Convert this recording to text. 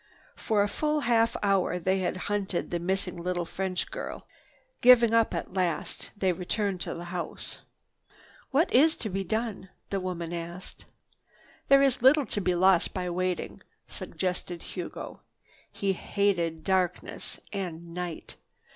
For a full half hour they had hunted the missing little French girl. Giving this up at last, they returned to the house. "What is to be done?" the woman asked. "There is little to be lost by waiting," suggested Hugo. He hated darkness and night.